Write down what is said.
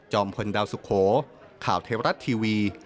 พลดาวสุโขข่าวเทวรัฐทีวี